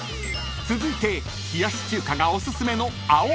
［続いて冷やし中華がおすすめの青松］